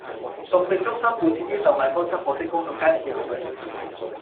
熟食中心附設於售賣乾濕貨品的公眾街市內